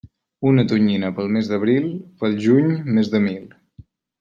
Una tonyina pel mes d'abril, pel juny més de mil.